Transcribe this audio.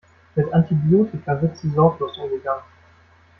Mit Antibiotika wird zu sorglos umgegangen.